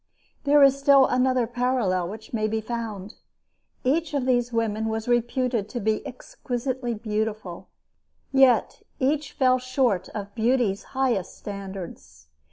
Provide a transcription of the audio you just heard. There is still another parallel which may be found. Each of these women was reputed to be exquisitely beautiful; yet each fell short of beauty's highest standards.